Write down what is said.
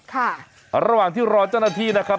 ค่ะระหว่างที่รอเจ้าหน้าที่นะครับ